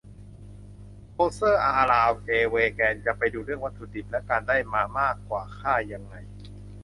โคเชอร์ ฮาลาล เจ เวแกน จะไปดูเรื่องวัตถุดิบและการได้มามากกว่า ฆ่ายังไง